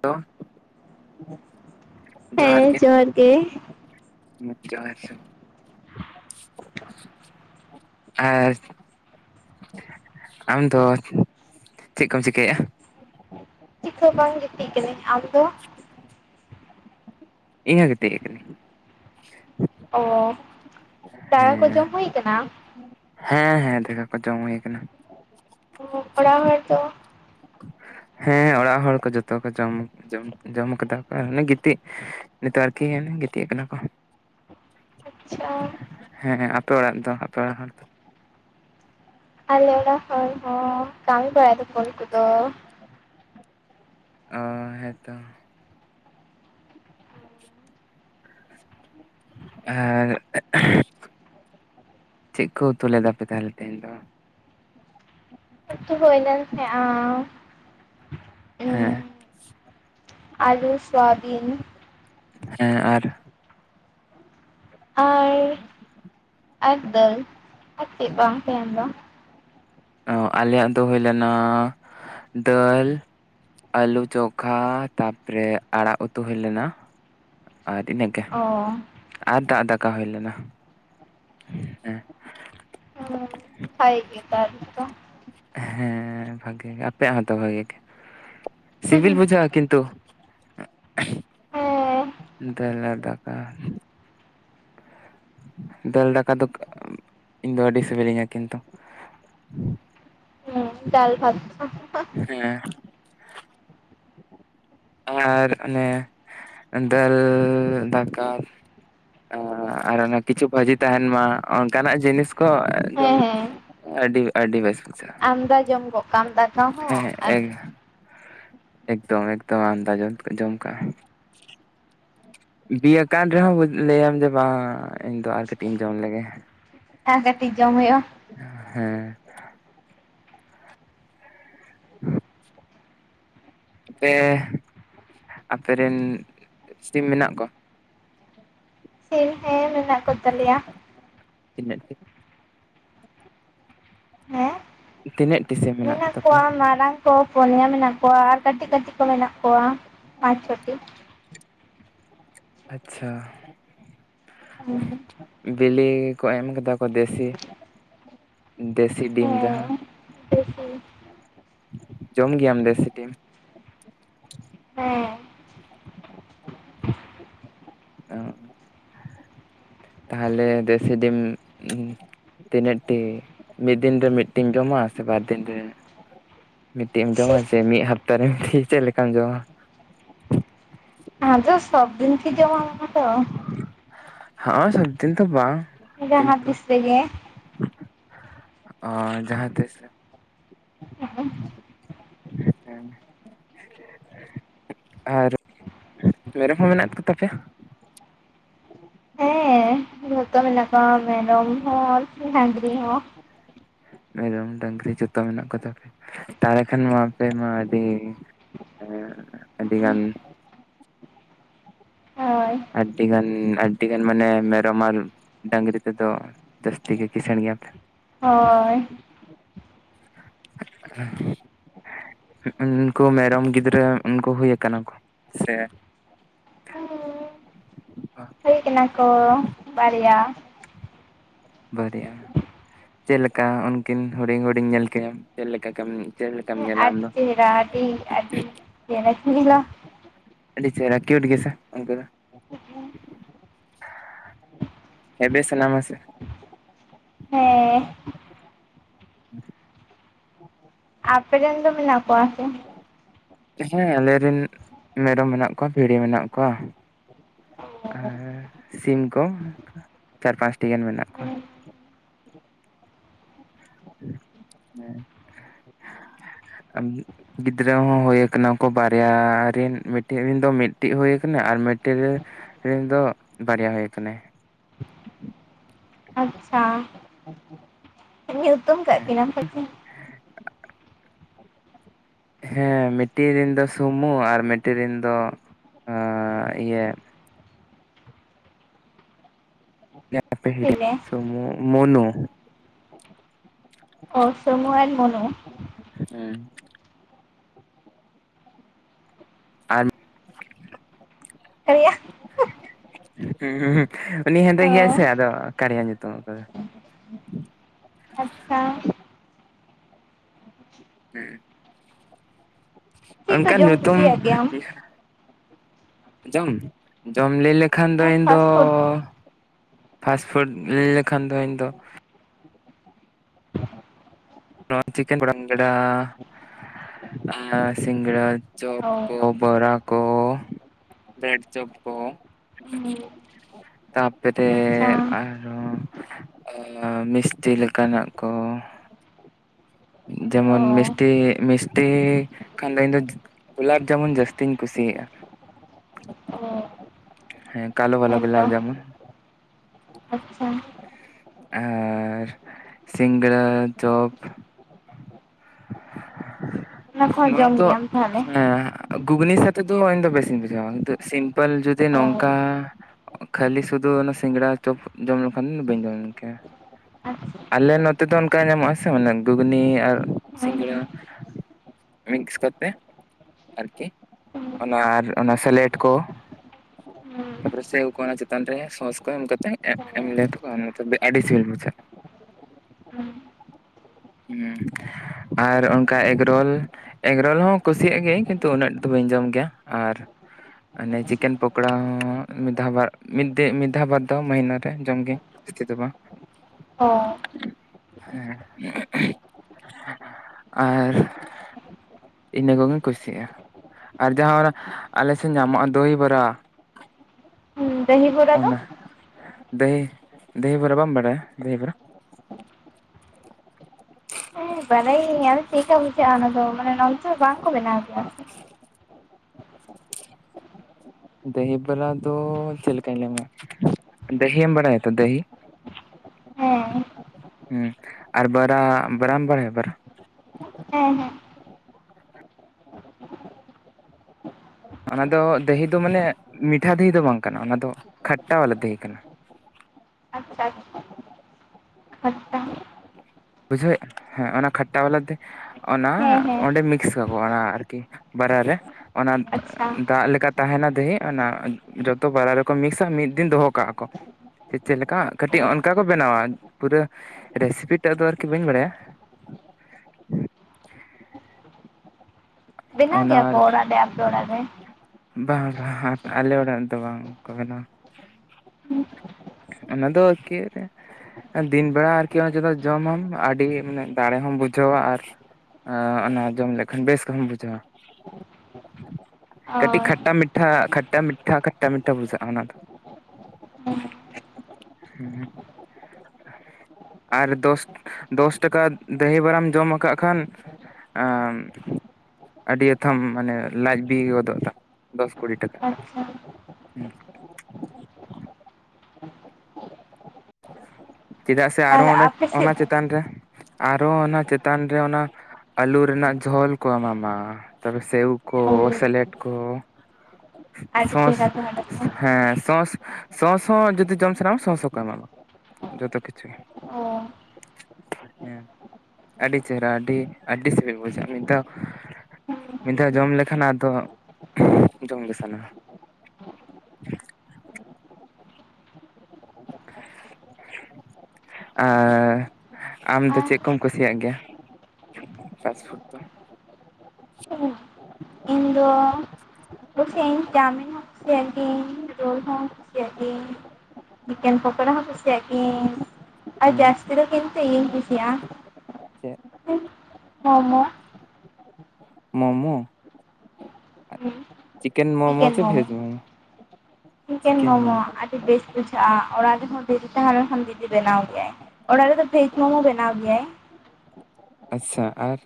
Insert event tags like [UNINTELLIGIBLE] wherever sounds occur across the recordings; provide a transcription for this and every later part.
Hello ᱦᱮᱸ, ᱡᱚᱦᱟᱨ ᱜᱮ᱾ [UNINTELLIGIBLE] [UNINTELLIGIBLE] ᱟᱢ ᱫᱚ ᱪᱮᱜ ᱠᱚᱢ ᱪᱤᱠᱟᱹᱭᱮᱜᱼᱟ? ᱪᱤᱛ ᱦᱚᱸ ᱵᱟᱝ ᱜᱤᱛᱤᱡ ᱠᱟᱹᱱᱟᱹᱧ᱾ ᱟᱢᱫᱚ? ᱤᱧᱦᱚᱸ ᱜᱤᱛᱤᱡ ᱟᱠᱟᱹᱱᱤᱧ᱾ ᱚ᱾ ᱫᱟᱠᱟ ᱠᱚ ᱦᱮᱸ, ᱡᱚᱢ ᱦᱩᱭ ᱠᱟᱱᱟ? ᱦᱮᱸ ᱦᱮᱸ ᱫᱟᱠᱟ ᱠᱚ ᱡᱚᱢ ᱦᱩᱭ ᱠᱟᱱᱟ᱾ ᱚᱲᱟᱣ ᱦᱚᱲ ᱫᱚᱼᱼ ᱦᱮᱸ ᱚᱲᱟᱜ ᱦᱚᱲ ᱠᱚ ᱡᱚᱛᱚ ᱠᱚ ᱡᱚᱢ ᱡᱚᱢ ᱠᱟᱫᱟ ᱠᱚ ᱟᱱᱮ ᱜᱤᱛᱤᱡᱼᱼ ᱱᱤᱛᱚᱜ ᱟᱨᱠᱤ ᱜᱤᱛᱤᱡ ᱠᱟᱱᱟ ᱠᱚ ᱟᱪᱪᱷᱟ ᱦᱮᱸ ᱟᱯᱮ ᱚᱲᱟᱜ ᱫᱚ ᱟᱯᱮ ᱚᱲᱟᱜ ᱦᱚᱲ ᱫᱚ? ᱟᱞᱮᱲᱟ ᱦᱳᱭ ᱦᱳ ᱠᱟᱹᱢᱤ ᱜ ᱫᱚ ᱵᱚᱞ ᱠᱚᱫᱚ ᱚ ᱦᱮᱸ ᱛᱚ ᱟᱨ [UNINTELLIGIBLE] ᱪᱮᱫ ᱠᱚ ᱩᱛᱩ ᱞᱮᱫᱟ ᱯᱮ ᱛᱟᱦᱞᱮ ᱛᱮᱦᱮᱧ ᱫᱚ? ᱩᱛᱩ ᱦᱳᱭᱱᱟ ᱛᱟᱦᱮᱸᱟᱼᱼ ᱦᱮᱸ ᱟᱞᱩ ᱥᱳᱣᱟᱵᱤᱱ ᱦᱮᱸ ᱟᱨ? ᱟᱨ ᱟᱨ ᱫᱟᱹᱞ ᱟᱨ ᱪᱮᱫ ᱵᱟᱝ ᱛᱮᱦᱮᱱ ᱫᱚ ᱚ ᱟᱞᱮᱭᱟᱜ ᱫᱚ ᱦᱩᱭ ᱞᱮᱱᱟ ᱫᱟᱹᱞᱼᱼ ᱟᱹᱞᱩ ᱪᱚᱠᱠᱷᱟ ᱛᱟᱯᱚᱨᱮ ᱟᱲᱟᱜ ᱩᱛᱩ ᱦᱳᱭ ᱞᱮᱱᱟ ᱟᱨ ᱤᱱᱟᱹᱜ᱾ ᱚᱻ ᱟᱨ ᱫᱟᱜᱽ ᱫᱟᱠᱟ ᱦᱳᱭ ᱞᱮᱱᱟ ᱦᱮᱸ᱾ ᱵᱷᱟᱭᱜᱮ ᱫᱟᱞᱮᱛᱚ [UNINTELLIGIBLE] ᱦᱮᱸ ᱵᱷᱟᱜᱮ ᱜᱮ ᱟᱯᱮᱭᱟᱜ ᱦᱚᱸᱛᱚ ᱵᱷᱟᱜᱮ ᱜᱮ ᱥᱤᱵᱤᱞ ᱵᱩᱡᱷᱟᱹᱜ ᱠᱤᱱᱛᱩ ᱦᱮᱸ [UNINTELLIGIBLE] ᱫᱟᱹᱞ ᱟᱨ ᱫᱟᱠᱟ ᱫᱟᱹᱞ ᱫᱟᱠᱟ ᱫᱚ ᱤᱧ ᱫᱚ ᱟᱹᱰᱤ ᱥᱮᱵᱮᱞᱤᱧᱟ ᱠᱤᱱᱛᱩ᱾ ᱦᱮᱸ [UNINTELLIGIBLE] ᱫᱟᱞ ᱵᱷᱟᱛ ᱦᱮᱸ ᱟᱨ ᱚᱱᱮ ᱫᱟᱹᱞ ᱫᱟᱠᱟ ᱟᱨ ᱚᱱᱟ ᱠᱤᱪᱷᱩ ᱵᱷᱟᱹᱡᱤ ᱛᱟᱦᱮᱱ ᱢᱟ ᱚᱱᱠᱟᱱᱟᱜ ᱡᱤᱱᱤᱥ ᱠᱚ ᱡᱚᱢ ᱦᱮᱸ ᱦᱮᱸ ᱟᱹᱰᱤ ᱟᱹᱰᱤ ᱵᱮᱥ ᱵᱩᱡᱷᱟᱹᱜ-ᱟ ᱟᱢᱫᱟ ᱡᱚᱢ ᱜᱚᱫ ᱠᱟᱜ ᱟᱢ ᱫᱟᱠᱟ ᱦᱚᱸ ᱟᱨ ᱮᱠ ᱮᱠᱫᱚᱢ ᱮᱠᱫᱚᱢ ᱟᱢᱫᱟ ᱡᱚᱢ ᱡᱚᱢ ᱠᱟᱜᱼᱟ᱾ ᱵᱤ ᱟᱠᱟᱱ ᱨᱮᱦᱚᱸ ᱞᱟᱹᱭᱟᱢ ᱡᱮ ᱵᱟᱝ ᱤᱧᱫᱚ ᱟᱨ ᱠᱟᱹᱴᱤᱡ ᱤᱧ ᱡᱚᱢ ᱞᱮᱜᱮ᱾ ᱟᱨ ᱠᱟᱹᱴᱤᱡ ᱡᱚᱢ ᱦᱩᱭᱩᱜᱼᱟ ᱦᱮᱸ [UNINTELLIGIBLE] ᱟᱯᱮ ᱟᱯᱮ ᱨᱮᱱ ᱥᱤᱢ ᱢᱮᱱᱟᱜ ᱠᱚᱣᱟ? ᱥᱤᱢ ᱦᱮᱸ [INAUDIBLE] ᱢᱮᱱᱟᱜ ᱠᱚ ᱛᱟᱞᱮᱭᱟ ᱛᱤᱱᱟᱹᱜ ᱦᱮᱸ ᱛᱤᱱᱟᱹᱜ ᱴᱤ ᱥᱤᱢ ᱢᱮᱱᱟᱜᱼᱟ ᱢᱮᱱᱟᱜ ᱠᱚᱣᱟ ᱢᱟᱨᱟᱝ ᱠᱚ ᱯᱳᱱᱭᱟ ᱢᱮᱱᱟᱜ ᱠᱚᱣᱟ ᱟᱨ ᱠᱟᱹᱴᱤᱡ ᱠᱟᱹᱴᱤᱡ ᱠᱚ ᱢᱮᱱᱟᱜ ᱠᱚᱣᱟ ᱯᱟᱸᱪ ᱪᱷᱚᱴᱤ ᱟᱪᱪᱷᱟ ᱵᱮᱞᱮ ᱠᱚ ᱮᱢ ᱠᱟᱫᱟ ᱠᱚ ᱫᱮᱥᱤ ᱫᱮᱥᱤ ᱰᱤᱢ ᱦᱮᱸ ᱡᱟᱦᱟᱸ ᱫᱮᱥᱤ ᱡᱚᱢ ᱜᱮᱭᱟᱢ ᱫᱮᱥᱤ ᱰᱤᱢ ᱦᱮᱸ ᱚ ᱛᱟᱦᱞᱮ ᱫᱮᱥᱤ ᱰᱤᱢ ᱛᱤᱱᱟᱹᱜ ᱴᱤ ᱢᱤᱫ ᱫᱤᱱ ᱨᱮ ᱢᱤᱴᱤᱱ ᱡᱚᱢᱟ ᱥᱮ ᱵᱟᱨ ᱫᱤᱱ ᱨᱮ ᱢᱤᱴᱤᱡ ᱮᱢ ᱡᱚᱢᱟ ᱥᱮ ᱢᱤ ᱦᱟᱯᱛᱟᱨᱮᱢ [UNINTELLIGIBLE] ᱪᱮᱫ ᱞᱮᱠᱟᱢ ᱡᱚᱢᱟ ᱟᱫᱚ ᱥᱚᱵᱫᱤᱱ ᱠᱤ ᱡᱚᱢᱟᱢ ᱚᱱᱟ ᱫᱚ ᱦᱚᱸ ᱥᱚᱵᱫᱤᱱ ᱛᱚ ᱵᱟᱝ ᱡᱟᱦᱟᱸ ᱠᱤᱱᱛᱩ ᱛᱤᱥ ᱨᱮᱜᱮ ᱚ ᱡᱟᱦᱟᱸ ᱛᱤᱥ ᱦᱮᱸ [INAUDIBLE] ᱟᱨ ᱢᱮᱨᱚᱢ ᱦᱚᱸ ᱢᱮᱱᱟᱜ ᱠᱚᱛᱟ ᱯᱮᱭᱟ ᱦᱮᱸ ᱡᱷᱚᱛᱚ ᱢᱮᱱᱟᱜ ᱠᱚᱣᱟ ᱢᱮᱨᱚᱢ ᱦᱚᱸ ᱰᱟᱺᱝᱨᱤ ᱦᱚᱸ ᱢᱮᱨᱚᱢ ᱰᱟᱺᱝᱨᱤ ᱡᱚᱛᱚ ᱢᱮᱱᱟᱜ ᱠᱚᱛᱟ ᱯᱮ ᱛᱟᱦᱚᱞᱮ ᱠᱷᱟᱱ ᱢᱟ ᱟᱯᱮ ᱢᱟ ᱟᱹᱰᱤ ᱮᱸᱻ ᱟᱹᱰᱤ ᱜᱟᱱ ᱦᱳᱭ ᱟᱹᱰᱤ ᱜᱟᱱ ᱟᱹᱰᱤ ᱜᱟᱱ ᱢᱟᱱᱮ ᱢᱮᱨᱚᱢ ᱟᱨ ᱰᱟᱝᱨᱤ ᱛᱮᱫᱚ ᱛᱟᱥᱛᱤᱜᱮ ᱠᱤᱥᱟᱹᱬ ᱜᱮᱭᱟ ᱯᱮ ᱦᱳᱭ [INAUDIBLE] ᱩᱱᱠᱩ ᱢᱮᱨᱚᱢ ᱜᱤᱫᱽᱨᱟᱹ ᱩᱱᱠᱩ ᱦᱩᱭ ᱠᱟᱱᱟ ᱠᱚ ᱥᱮ ᱦᱩᱭ ᱠᱟᱱᱟ ᱠᱚ ᱵᱟᱨᱭᱟ ᱵᱟᱨᱭᱟ ᱪᱮᱫ ᱞᱮᱠᱟ ᱩᱱᱠᱤᱱ ᱦᱤᱰᱤᱧ ᱦᱤᱰᱤᱧ ᱧᱮᱞ ᱠᱮᱭᱟᱢ ᱪᱮᱫ ᱞᱮᱠᱟ ᱠᱟᱹᱢᱤ ᱦᱮ ᱟᱹᱰᱤ ᱪᱮᱦᱨᱟ ᱟᱹᱰᱤ ᱟᱹᱰᱤ ᱪᱮᱲᱮ [UNINTELLIGIBLE] ᱥᱤᱵᱤᱞᱟ ᱟᱹᱰᱤ ᱪᱮᱦᱨᱟ ᱠᱤᱭᱩᱴ ᱜᱮ ᱥᱮ ᱚᱱᱠᱚ ᱜᱮ ᱦᱮ ᱵᱮ ᱥᱟᱱᱟ ᱢᱟ ᱥᱮ ᱦᱮᱸ [INAUDIBLE] ᱟᱯᱮ ᱨᱮᱱ ᱫᱚ ᱢᱮᱱᱟᱜ ᱠᱚᱣᱟ ᱥᱮ? ᱦᱮᱸ ᱟᱞᱮ ᱨᱮᱱ ᱢᱮᱨᱚᱢ ᱢᱮᱱᱟᱜ ᱠᱚᱣᱟ ᱵᱷᱤᱲᱤ ᱢᱮᱱᱟᱜ ᱠᱚᱣᱟ ᱟᱨ ᱥᱤᱢ ᱠᱚ ᱪᱟᱨ ᱯᱟᱸᱪᱴᱤ ᱜᱟᱱ ᱢᱮᱱᱟᱜ ᱠᱚᱣᱟ ᱦᱮ ᱜᱤᱫᱽᱨᱟᱹ ᱦᱚᱸ ᱦᱳᱭ ᱠᱟᱱᱟᱠᱚ ᱵᱟᱨᱭᱟ ᱨᱮᱱ ᱢᱤᱫᱴᱮᱱ ᱨᱤᱱ ᱫᱚ ᱢᱤᱫᱴᱤᱡ ᱦᱳᱭ ᱠᱟᱱᱟ ᱟᱨ ᱢᱤᱫᱴᱮ ᱨᱮ ᱨᱤᱱ ᱫᱚ ᱵᱟᱨᱭᱟ ᱦᱳᱭ ᱠᱟᱱᱟᱭ ᱟᱪᱪᱷᱟ ᱧᱩᱛᱩᱢ ᱠᱟᱜ ᱠᱤᱱᱟᱢ ᱥᱮᱪᱮᱫ ᱦᱮᱸ ᱢᱤᱫᱴᱤ ᱨᱤᱱ ᱫᱚ ᱥᱩᱢᱩ ᱟᱨ ᱢᱤᱫᱴᱤ ᱨᱮᱱ ᱫᱚ ᱤᱭᱟᱹ [UNINTELLIGIBLE] ᱪᱤᱞᱮ? ᱥᱢ ᱡᱩ ᱢᱩᱱᱩ ᱚ ᱥᱚᱢᱩ ᱟᱨ ᱢᱚᱱᱩ ᱦᱩᱸ ᱟᱨ ᱠᱟᱭᱟ ᱦᱩᱸ ᱦᱩᱸ ᱩᱱᱤ ᱦᱮᱸᱫᱮ ᱜᱮᱭᱟᱭ ᱚ ᱥᱮ ᱟᱫᱚ ᱠᱟᱨᱭᱟ ᱧᱩᱛᱩᱢ ᱠᱟᱫᱟ [INAUDIBLE] ᱟᱪᱪᱷᱟ ᱦᱩᱸ ᱪᱮᱫ ᱠᱚ ᱚᱱᱠᱟᱱ ᱡᱚᱢ ᱧᱩᱛᱩᱢ ᱠᱩᱥᱤᱭᱟᱜ ᱜᱮᱭᱟᱢ? ᱡᱚᱢ ᱡᱚᱢ ᱞᱟᱹᱭ ᱞᱮᱠᱷᱟᱱ ᱫᱚ ᱦᱮᱸ ᱤᱧᱫᱚ ᱯᱷᱟᱥᱴ ᱯᱷᱩᱰ ᱯᱷᱟᱥᱯᱷᱩᱰ ᱞᱟᱹᱭ ᱞᱮᱠᱷᱟᱱ ᱫᱚ ᱤᱧ ᱫᱚ ᱱᱚᱣᱟ ᱪᱤᱠᱮᱱ [UNINTELLIGIBLE] ᱵᱟᱲᱟ ᱟᱨ ᱥᱤᱸᱜᱟᱹᱲᱟ ᱪᱚᱯ ᱚ ᱠᱚ ᱵᱚᱨᱟ ᱠᱚ ᱵᱨᱮᱰ ᱪᱚᱯ ᱠᱚ ᱦᱩᱸ ᱛᱟᱯ ᱯᱮᱨᱮ ᱟᱪᱪᱷᱟ ᱟᱨᱦᱚᱸ ᱟᱻ ᱢᱤᱥᱴᱤ ᱞᱮᱠᱟᱱᱟᱜ ᱠᱚ ᱡᱮᱢᱚᱱ ᱚ ᱢᱤᱥᱴᱤ ᱢᱤᱥᱴᱤ ᱠᱷᱟᱱ ᱫᱚ ᱤᱧ ᱫᱚ ᱜᱩᱞᱟᱵᱽ ᱡᱟᱢᱩᱱ ᱡᱟᱹᱥᱛᱤᱧ ᱠᱩᱥᱤᱭᱟᱜ-ᱟ᱾ ᱚ ᱦᱮᱸ ᱠᱟᱞᱳ ᱵᱟᱞᱟ ᱜᱳᱞᱟᱵ ᱦᱮᱸᱛᱚ ᱡᱟᱢᱩᱱ ᱟᱪᱪᱷᱟ ᱟᱨ ᱥᱤᱸᱜᱟᱹᱲᱟ ᱪᱚᱯ ᱚᱱᱟ ᱠᱚᱦᱚᱸ ᱱᱚᱣᱟ ᱡᱚᱢ ᱫᱚ ᱜᱮᱭᱟᱢ ᱛᱟᱦᱚᱞᱮ ᱦᱮᱸ ᱜᱷᱩᱜᱽᱱᱤ ᱥᱟᱛᱮᱜ ᱫᱚ ᱤᱧ ᱫᱚ ᱵᱮᱥᱤᱧ ᱵᱩᱡᱷᱟᱹᱣᱟ ᱱᱤᱛᱚᱜ ᱥᱤᱢᱯᱟᱹᱞ ᱡᱩᱫᱤ ᱚ ᱱᱚᱝᱠᱟ ᱠᱷᱟᱹᱞᱤ ᱥᱩᱫᱷᱩ ᱚᱱᱟ ᱥᱤᱸᱜᱲᱟ ᱪᱚᱯ ᱡᱚᱢ ᱞᱮᱠᱷᱟᱱ ᱫᱚ ᱵᱟᱹᱧ ᱡᱚᱢ ᱠᱮᱭᱟ ᱟᱪᱪᱷᱟ ᱟᱞᱮ ᱱᱚᱛᱮ ᱫᱚ ᱚᱱᱠᱟ ᱧᱟᱢᱚᱜ ᱟᱥᱮ ᱢᱟᱱᱮ ᱜᱷᱩᱜᱽᱱᱤ ᱟᱨ ᱦᱩᱸ ᱦᱩᱸ ᱥᱤᱸᱜᱲᱟ ᱢᱤᱠᱥ ᱠᱟᱛᱮ ᱟᱨᱠᱤ ᱦᱩᱸ ᱚᱱᱟ ᱟᱨ ᱚᱱᱟ ᱥᱮᱞᱮᱴ ᱠᱚ ᱦᱩᱸ ᱛᱟᱨᱯᱚᱨᱮ ᱥᱮᱣ ᱠᱚ ᱚᱱᱟ ᱪᱮᱛᱟᱱ ᱨᱮ ᱥᱚᱸᱥ ᱠᱚ ᱮᱢ ᱠᱟᱛᱮ ᱮᱢ ᱦᱩᱸ ᱮᱢᱞᱮᱴ ᱠᱚ ᱱᱮᱛᱟᱨ ᱫᱚ ᱟᱹᱰᱤ ᱥᱤᱵᱤᱞ ᱵᱩᱡᱷᱟᱹᱜᱼᱟ ᱦᱩᱸ ᱦᱩᱸ ᱟᱨ ᱚᱱᱠᱟ ᱮᱜᱽᱨᱳᱞ ᱮᱜᱽᱨᱳᱞ ᱦᱚᱸ ᱠᱩᱥᱤᱭᱟᱜ ᱜᱮᱭᱟᱧ ᱠᱤᱱᱛᱩ ᱩᱱᱟᱹᱜ ᱫᱚ ᱵᱟᱹᱧ ᱡᱚᱢ ᱜᱮᱭᱟ᱾ ᱟᱨ ᱟᱱᱮ ᱪᱤᱠᱮᱱ ᱯᱚᱠᱚᱲᱟ ᱦᱚᱸ ᱢᱤᱫ ᱫᱷᱟ ᱵᱟᱨ ᱢᱤᱫ ᱫᱤ ᱢᱤᱫ ᱫᱷᱟᱣ ᱵᱟᱨ ᱫᱷᱟᱣ ᱢᱟᱹᱦᱱᱟᱹ ᱨᱮ ᱡᱚᱢᱜᱤᱧ᱾ [UNINTELLIGIBLE] ᱫᱟ ᱵᱟᱝ ᱚᱻ᱾ ᱦᱮᱸ᱾ [UNINTELLIGIBLE] ᱟᱨᱻ᱾ ᱤᱱᱟᱹ ᱠᱚᱜᱮᱧ ᱠᱩᱥᱤᱭᱟᱜᱼᱟ᱾ ᱟᱨ ᱡᱟᱦᱟᱸ ᱟᱞᱮᱥᱮᱱ ᱧᱟᱢᱚᱜᱼᱟ ᱫᱳᱭ ᱵᱚᱨᱟ᱾ ᱫᱟᱹᱦᱤ ᱵᱷᱳᱨᱟ ᱫᱚ ᱫᱟᱹᱦᱮ ᱫᱟᱹᱦᱮ ᱵᱷᱚᱨᱟ ᱵᱟᱢ ᱵᱟᱰᱟᱭᱟ? ᱫᱟᱹᱦᱮ ᱵᱷᱚᱨᱟ᱾ ᱦᱮᱸ ᱵᱟᱰᱟᱭᱟᱹᱧ ᱟᱫᱚ ᱪᱮᱫᱠᱟ ᱵᱩᱡᱷᱟᱹᱜᱼᱟ ᱚᱱᱟᱫᱚ ᱢᱟᱱᱮ ᱱᱚᱱᱛᱮ ᱵᱟᱝᱠᱚ ᱵᱮᱱᱟᱣ ᱜᱮᱭᱟ᱾ ᱫᱟᱹᱦᱤ ᱵᱮᱨᱟ [UNINTELLIGIBLE] ᱫᱚ ᱪᱮᱫ ᱞᱮᱠᱟᱧ ᱞᱮᱭᱟ ᱢᱟ᱾ ᱫᱟᱹᱦᱤ ᱮᱢ ᱵᱟᱨᱟᱭᱟ ᱛᱚ ᱫᱟᱹᱦᱤ᱾ ᱦᱮᱸ ᱦᱮᱸ ᱟᱨ ᱵᱟᱨᱟ ᱵᱨᱟᱢ ᱵᱟᱲᱟᱭ ᱵᱨᱟ᱾ ᱦᱮᱸ ᱦᱮᱸ᱾ ᱚᱱᱟ ᱫᱚ ᱫᱟᱹᱦᱤ ᱫᱚ ᱢᱟᱱᱮ ᱢᱤᱴᱷᱟ ᱫᱟᱹᱦᱤ ᱫᱚ ᱵᱟᱝ ᱠᱟᱱᱟ᱾ ᱚᱱᱟ ᱫᱚ ᱠᱷᱟᱴᱴᱟ ᱵᱟᱞᱟ ᱫᱟᱹᱦᱤ ᱠᱟᱱᱟ᱾ ᱟᱪᱪᱷᱟ ᱟᱪᱪᱷᱟ᱾ ᱠᱷᱟᱴᱴᱟ [INAUDIBLE] ᱵᱩᱡᱷᱟᱹᱣᱮᱫ ᱦᱮᱸ ᱚᱱᱟ ᱠᱷᱟᱴᱴᱟ ᱵᱟᱞᱟ ᱚᱱᱟ ᱦᱮᱸ ᱦᱮᱸ ᱚᱸᱰᱮ ᱢᱤᱠᱥ ᱚᱱᱟ [INAUDIBLE] ᱟᱨᱠᱤ ᱵᱟᱨᱟ ᱨᱮ᱾ ᱚᱱᱟ ᱟᱪᱪᱷᱟ ᱫᱟᱜ ᱞᱮᱠᱟ ᱛᱟᱦᱮᱱᱟ ᱫᱟᱹᱦᱤ ᱚᱱᱟ ᱡᱚᱛᱚ ᱵᱟᱨᱟ ᱨᱮᱠᱚ ᱢᱤᱠᱥᱥᱟ ᱢᱤᱫ ᱫᱤᱱ ᱫᱚᱦᱚ ᱠᱟᱜᱼᱟ ᱠᱚ᱾ ᱥᱮ ᱪᱮᱫ ᱞᱮᱠᱟ ᱠᱟᱹᱴᱤᱡ ᱚ ᱚᱱᱠᱟ ᱠᱚ ᱵᱮᱱᱟᱣᱟ, ᱯᱩᱨᱟᱹ ᱨᱮᱥᱤᱯᱤ ᱴᱟᱜ ᱫᱚ ᱟᱨᱠᱤ ᱵᱟᱹᱧ ᱵᱟᱲᱟᱭᱟ᱾ ᱵᱮᱱᱟᱣ ᱜᱮᱭᱟ ᱠᱚ ᱚᱲᱟᱜ ᱨᱮ, ᱟᱯᱮ ᱚᱲᱟᱜ ᱨᱮ? ᱵᱟᱸᱦ ᱵᱟᱸᱦ ᱟᱞᱮ ᱚᱲᱟᱜ ᱨᱮ ᱫᱚ ᱵᱟᱝ ᱠᱚ ᱵᱮᱱᱟᱣᱟ᱾ ᱚᱱᱟ ᱫᱚ ᱨᱮ [INAUDIBLE] ᱫᱤᱱ ᱵᱮᱲᱟ ᱟᱨᱠᱤ ᱚᱱᱟ ᱡᱚᱛᱚ ᱡᱚᱢᱟᱢ ᱟᱹᱰᱤ ᱢᱟᱱᱮ ᱫᱟᱲᱮ ᱦᱚᱢ ᱵᱩᱡᱷᱟᱹᱣᱟ ᱟᱨ ᱟᱸ ᱚᱱᱟ ᱡᱚᱢ ᱞᱮᱜᱠᱷᱟᱱ ᱵᱮᱥ ᱜᱮᱦᱚᱢ ᱵᱩᱡᱷᱟᱹᱣᱟ᱾ ᱠᱟᱹᱴᱤᱡ ᱦᱳᱭ ᱠᱷᱟᱴᱴᱟ ᱢᱤᱴᱴᱷᱟ, ᱠᱷᱟᱴᱴᱟ ᱢᱤᱴᱴᱷᱟ ᱠᱷᱟᱴᱴᱟ ᱢᱤᱴᱴᱷᱟ ᱵᱩᱡᱟᱹᱜᱼᱟ ᱚᱱᱟ ᱫᱚ᱾ ᱦᱮᱸ᱾ ᱟᱨ ᱫᱚᱥ-ᱫᱚᱥ ᱴᱟᱠᱟ ᱫᱟᱹᱦᱤ ᱵᱟᱲᱟᱢ ᱡᱚᱢ ᱟᱠᱟᱫ ᱠᱷᱟᱱ ᱟᱸ ᱟᱹᱰᱤ ᱟᱛᱷᱟᱢ ᱢᱟᱱᱮ ᱞᱟᱡ ᱵᱤ ᱜᱚᱫᱚᱜ᱾ ᱫᱟᱜ ᱫᱚᱥ ᱠᱩᱲᱤ ᱴᱟᱠᱟ ᱨᱮᱱᱟᱜ᱾ ᱟᱪᱪᱷᱟ ᱦᱮᱸ᱾ ᱪᱮᱫᱟᱜ ᱥᱮ ᱟᱨᱚ ᱟᱨ ᱚᱸᱱᱮ ᱟᱯᱮ ᱚᱱᱟ ᱥᱮᱫ ᱪᱮᱛᱟᱱ ᱨᱮ ᱟᱨ ᱦᱚ ᱚᱱᱟ ᱪᱮᱛᱟᱱ ᱨᱮ ᱚᱱᱟ ᱟᱹᱞᱩ ᱨᱮᱱᱟᱜ ᱡᱷᱚᱞ ᱠᱚ ᱮᱢᱟᱢᱟ᱾ ᱛᱚᱵᱮ ᱥᱮᱣ ᱠᱚ ᱚ ᱥᱮᱞᱮᱰ ᱠᱚ᱾ ᱟᱹᱰᱤ ᱥᱚᱸᱥ ᱪᱮᱦᱨᱟ ᱛᱟᱦᱚᱞᱮ ᱛᱚ ᱦᱮᱸ ᱥᱚᱥ ᱥᱚᱥ ᱦᱚᱸ ᱡᱩᱫᱤ ᱡᱚᱢ ᱥᱟᱱᱟᱢ ᱥᱚᱥ ᱦᱚᱸᱠᱚ ᱮᱢᱟᱢᱟ᱾ ᱡᱚᱛᱚ ᱠᱤᱪᱩ, ᱚ ᱦᱮᱸ᱾ ᱟᱹᱰᱤ ᱪᱮᱦᱮᱨᱟ ᱟᱹᱰᱤ-ᱟᱹᱰᱤ ᱥᱤᱵᱤᱞ ᱵᱩᱡᱷᱟᱜᱼᱟ ᱢᱤᱫ ᱫᱷᱟᱣ ᱢᱤᱫ ᱫᱷᱟᱣ ᱡᱚᱢ ᱞᱮᱠᱷᱟᱱ ᱟᱫᱚ, ᱡᱚᱢ ᱜᱮ ᱥᱟᱱᱟᱣᱟ᱾ [UNINTELLIGIBLE] [UNINTELLIGIBLE] ᱟᱨ ᱟᱢ ᱫᱚ ᱟᱨ ᱪᱮᱫ ᱠᱚᱢ ᱠᱩᱥᱤᱭᱟᱜ ᱜᱮᱭᱟ? ᱯᱟᱥᱯᱷᱩᱰ ᱫᱚ᱾ ᱦ [INAUDIBLE] ᱤᱧ ᱫᱚᱻ᱾ ᱠᱩᱥᱤᱭᱟᱜ ᱟᱹᱧ ᱪᱟᱣᱢᱤᱱ ᱦᱚᱸ ᱠᱩᱥᱤᱭᱟᱜ ᱜᱤᱭᱟᱹᱧ, ᱨᱳᱞ ᱦᱚᱸ ᱠᱩᱥᱤᱭᱟᱜ ᱜᱤᱭᱟᱹᱧ᱾ ᱪᱤᱠᱮᱱ ᱯᱚᱠᱚᱲᱟ ᱦᱚᱸ ᱠᱩᱥᱤᱭᱟᱜ ᱠᱤᱱ᱾ ᱟᱨ ᱦᱩᱸ ᱡᱟᱹᱥᱛᱤ ᱫᱚ ᱠᱤᱱᱛᱩ ᱤᱭᱟᱹᱧ ᱠᱩᱥᱤᱭᱟᱜᱼᱟ ᱪᱮᱫ? ᱢᱳᱢᱳ᱾ ᱢᱳᱢᱳ᱾ ᱪᱤᱠᱮᱱ ᱢᱳᱢᱳ ᱪᱮ ᱵᱷᱮᱡᱽ ᱢᱳᱢᱳ? ᱪᱤᱠᱮᱱ ᱢᱳᱢᱳ ᱟᱹᱰᱤ ᱵᱮᱥ ᱵᱩᱡᱷᱟᱹᱜᱼᱟ᱾ ᱚᱲᱟᱜ ᱨᱮᱦᱚᱸ ᱫᱮᱫᱤ ᱛᱟᱦᱮᱸ ᱞᱮᱱᱠᱷᱟᱱ ᱫᱤᱫᱤ ᱵᱮᱱᱟᱣ ᱜᱮᱭᱟᱭ᱾ ᱚᱲᱟᱜ ᱨᱮᱫᱚ ᱯᱷᱮᱡᱽ ᱢᱳᱢᱳ ᱵᱮᱱᱟᱣ ᱜᱮᱭᱟᱭ᱾ ᱟᱥᱥᱟ ᱟᱨ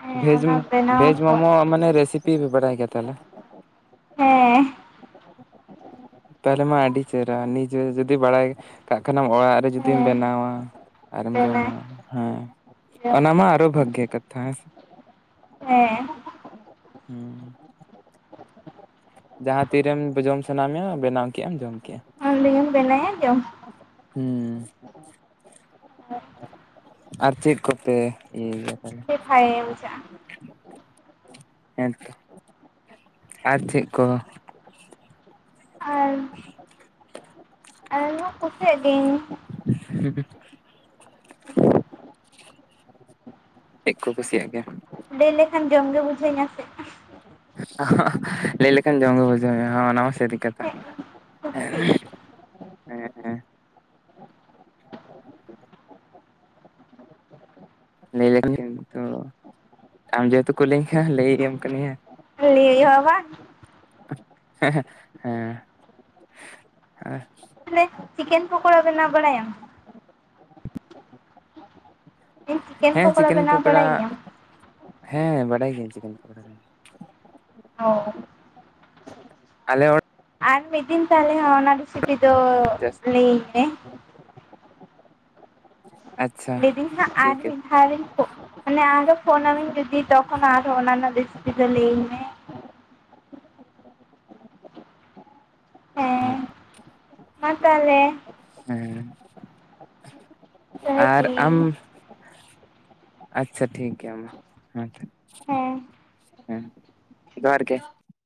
ᱦᱮᱸ ᱵᱷᱮᱡᱽ ᱚᱱᱟ ᱢᱳ ᱵᱮᱱᱟᱣ ᱷᱮᱡᱽ ᱠᱚᱜ ᱢᱳᱢᱳ ᱢᱟᱱᱮ ᱨᱮᱥᱤᱯᱤ ᱯᱮ ᱵᱟᱰᱟᱭ ᱜᱮᱭᱟ ᱛᱟᱦᱚᱞᱮ᱾ ᱦᱮᱸ᱾ ᱛᱟᱦᱚᱞᱮ ᱢᱟ ᱟᱹᱰᱤ ᱪᱮᱦᱮᱨᱟ ᱱᱤᱡᱮ ᱜᱮ ᱡᱩᱫᱤ ᱵᱟᱲᱟᱭ ᱠᱟᱜ ᱠᱷᱟᱱᱮᱢ ᱚᱲᱟᱜ ᱨᱮ ᱡᱩᱫᱤᱢ ᱦᱮᱸ ᱵᱮᱱᱟᱣᱟ ᱟᱨᱮᱢ ᱡᱚᱢᱟ, ᱵᱮᱱᱟᱣ ᱦᱮᱸ᱾ ᱡᱚᱢ ᱚᱱᱟ ᱢᱟ ᱟᱨᱦᱚᱸ ᱵᱷᱟᱜᱮ ᱠᱟᱛᱷᱟ ᱦᱮᱸᱥᱮ, ᱦᱮᱸ ᱦᱩᱸ᱾ ᱡᱟᱦᱟᱸ ᱛᱤᱨᱮᱢ ᱵᱚ-ᱡᱚᱢ ᱥᱟᱱᱟ ᱢᱮᱭᱟ ᱵᱮᱱᱟᱣ ᱠᱮᱼᱟᱢ ᱡᱚᱢ ᱠᱮᱼᱟ᱾ ᱤᱧᱤᱧ ᱵᱮᱱᱟᱭᱟ ᱡᱚᱢ ᱦᱩᱸ᱾ [INAUDIBLE] ᱟᱨ ᱪᱮᱫ ᱠᱚᱯᱮ ᱤᱭᱟᱹᱭ ᱭᱟ? [UNINTELLIGIBLE] ᱠᱩᱡᱷᱟᱜᱼᱟ᱾ ᱦᱮᱸᱛᱚ ᱟᱨ ᱪᱮᱜ ᱠᱚ? ᱟᱨ [UNINTELLIGIBLE] [INAUDIBLE] ᱛᱮᱜ ᱠᱚ ᱠᱩᱥᱤᱭᱟᱜ ᱜᱮᱭᱟ ᱞᱟᱹᱭ ᱞᱮᱠᱷᱟᱱ ᱡᱚᱢᱜᱮ ᱵᱩᱡᱷᱟᱹᱣ ᱤᱧᱟᱹ ᱥᱮ᱾ ᱞᱟᱹᱭ ᱞᱮᱠᱷᱟᱱ ᱡᱚᱢ ᱜᱮ ᱵᱩᱡᱷᱟᱹᱣ ᱢᱮ ᱦᱚ ᱚᱱᱟ ᱢᱟ ᱥᱟᱹᱨᱤ ᱠᱟᱛᱷᱟ᱾ ᱦᱮᱸ ᱞᱟᱹᱭ ᱞᱮᱠᱷᱟᱱ ᱜᱮᱢ ᱱᱤᱛᱚᱜ ᱟᱢ ᱡᱮᱦᱮᱛᱩ ᱠᱩ ᱞᱟᱹᱭ ᱟᱠᱟᱫ ᱢᱮᱭᱟ ᱞᱟᱹᱭᱟᱢ ᱠᱟᱹᱱᱟᱹᱧ ᱦᱟᱸᱜ᱾ ᱞᱟᱹᱭ ᱦᱩᱭᱩᱜ-ᱟ ᱵᱟᱝ, ᱦᱮᱸ ᱦᱮᱸ ᱦᱮᱸ [UNINTELLIGIBLE] ᱪᱤᱠᱮᱱ ᱯᱟᱠᱚᱲᱟ ᱵᱮᱱᱟᱣ ᱵᱟᱲᱟᱭᱟᱢ? ᱦᱮᱸ ᱯᱚᱠᱳᱲᱟ ᱪᱤᱠᱮᱱ ᱵᱮᱱᱟᱣ ᱯᱚᱠᱚᱲᱟ, ᱵᱟᱲᱟᱭ ᱜᱮᱭᱟᱢ ᱦᱮᱸ ᱵᱟᱰᱟᱭ ᱜᱤᱭᱟᱹᱧ ᱪᱤᱠᱮᱱ ᱯᱚᱠᱚᱲᱟ ᱦᱚᱸ᱾ ᱟᱞᱮ ᱚ ᱟᱨ ᱢᱤᱜ ᱫᱤᱱ ᱛᱟᱦᱚᱞᱮ ᱚᱱᱟ ᱨᱮᱥᱤᱯᱤ ᱫᱚ ᱡᱟᱥ ᱞᱟᱹᱭᱟᱹᱧ ᱢᱮ᱾ ᱟᱪᱪᱷᱟ᱾ ᱞᱟᱹᱭ ᱫᱤᱧ ᱦᱟᱸᱜ ᱟᱨ ᱴᱷᱤᱠ ᱢᱤᱜ ᱟᱨ ᱤᱧ ᱯᱷᱳ ᱢᱟᱱᱮ ᱟᱨᱦᱚᱸ ᱯᱷᱳᱱᱟᱢᱤᱧ ᱡᱩᱫᱤ ᱛᱚᱠᱷᱚᱱ ᱟᱨᱦᱚᱸ ᱚᱱᱟ ᱨᱮᱱᱟᱜ ᱨᱮᱥᱤᱯᱤ ᱫᱚ ᱞᱟᱹᱭᱤᱧ ᱢᱮ᱾ ᱦᱮᱸ [INAUDIBLE] ᱢᱟ ᱛᱟᱦᱚᱞᱮ᱾ ᱦᱮᱸ, ᱫᱚᱦᱚᱭ ᱟᱨ ᱟᱢ ᱫᱟᱹᱧ ᱟᱪᱪᱷᱟ ᱴᱷᱤᱠ ᱜᱮᱭᱟ ᱢᱟ ᱦᱮᱸ ᱛᱚ ᱦᱮᱸ ᱦᱮᱸ ᱡᱚᱦᱟᱨ ᱜᱮ᱾